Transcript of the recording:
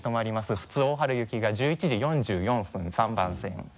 普通大春行きが１１時４４分３番線。